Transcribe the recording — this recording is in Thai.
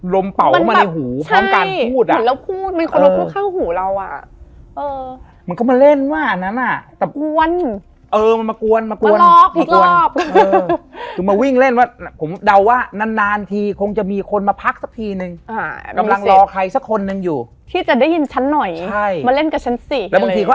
ระหว่างรอเหมือนคนก็แบบเข้าไปในลิฟต์เยอะใช่ไหม